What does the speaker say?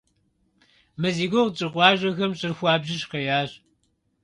Мы зи гугъу тщӀы къуажэхэм щӀыр хуабжьу щыхъеящ.